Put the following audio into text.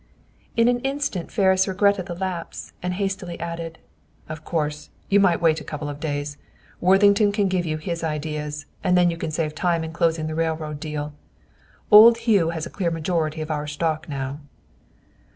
In an instant Ferris regretted the lapse, and hastily added, "Of course, you might wait a couple of days. Worthington can give you his ideas, and then you can save time in closing the railroad deal. Old Hugh has a clear majority of our stock now."